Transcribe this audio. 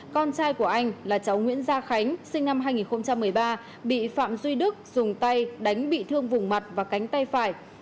con trai của anh là cháu nguyễn gia khánh sinh năm hai nghìn một mươi ba bị phạm duy đức dùng tay đánh bị thương vùng mặt và cánh tay phải